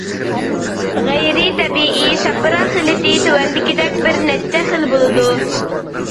غەيرىي تەبىئىي سەپرا خىلىتى تۆۋەندىكىدەك بىر نەچچە خىل بولىدۇ.